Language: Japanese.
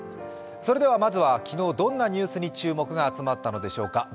まずは昨日、どんなニュースに注目が集まったのでしょうか。